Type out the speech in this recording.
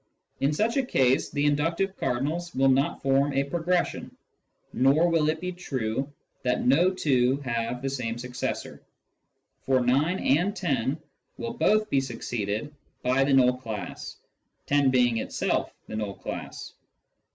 In such a case the inductive cardinals will not form a progression, nor will it be true that no two have the same successor, for 9 and 10 will both be succeeded by the null class (10 being itself the null class).